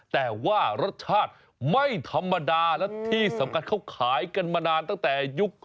แต่ว่ารสชาติไม่ธรรมดาและที่สำคัญเขาขายกันมานานตั้งแต่ยุค๙